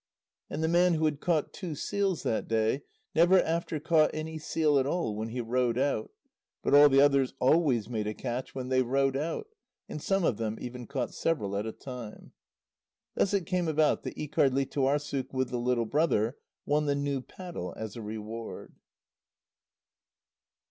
And the man who had caught two seals that day never after caught any seal at all when he rowed out, but all the others always made a catch when they rowed out, and some of them even caught several at a time. Thus it came about that Íkardlítuarssuk with the little brother won the new paddle as a reward.